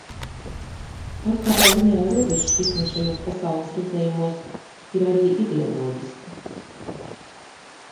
Kaut kādā ziņā robežšķirtne šajos pasaules redzējumos ir arī ideoloģiska.